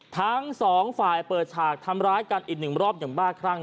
ทั้งสองฝ่ายเปิดฉากทำร้ายกันอีกหนึ่งรอบอย่างบ้าครั่ง